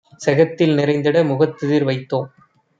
செகத்தில் நிறைந்திட முகத்தெதிர் வைத்தோம்.